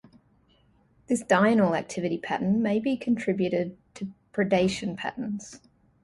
This diurnal activity pattern may be contributed to predation patterns.